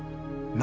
何？